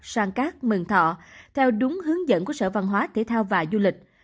sang cát mừng thọ theo đúng hướng dẫn của sở văn hóa thể thao và du lịch